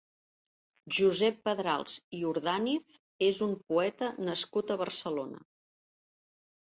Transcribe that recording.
Josep Pedrals i Urdàniz és un poeta nascut a Barcelona.